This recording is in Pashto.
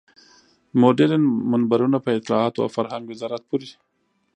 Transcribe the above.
مډرن منبرونه په اطلاعاتو او فرهنګ وزارت پورې.